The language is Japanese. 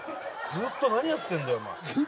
ずっと何やってんだよお前。